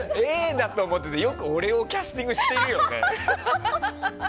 Ａだと思ってたら、よく俺をキャスティングしてるよね。